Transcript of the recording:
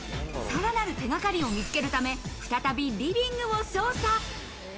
さらなる手掛かりを見つけるため再びリビングを捜査。